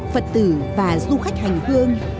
phật tử và du khách hành hương